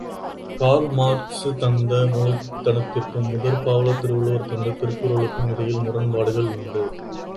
Karl Marx தந்த மூலதனத்திற்கும் முதற் பாவலர் திருவள்ளுவர் தந்த திருக்குறளுக்கும் இடையில் முரண்பாடுகள் உண்டு.